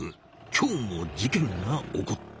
今日も事件が起こった。